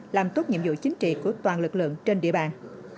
làm tốt nhiệm vụ chính trị của toàn lực lượng trên địa bàn